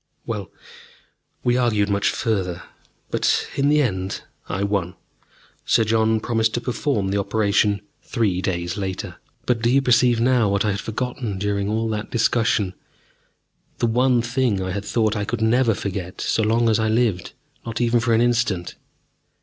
Well, we argued much further, but in the end I won. Sir John promised to perform the operation three days later. ... But do you perceive now what I had forgotten during all that discussion, the one thing I had thought I could never forget so long as I lived, not even for an instant?